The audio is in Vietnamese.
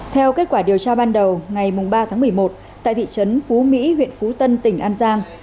theo kết quả điều tra ban đầu ngày ba tháng một mươi một tại thị trấn phú mỹ huyện phú tân tỉnh an giang